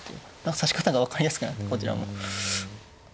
指し方が分かりやすくなるんでこちらも。